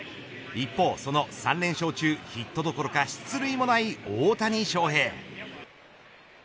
一方その３連勝中ヒットどころか出塁もない大谷翔平。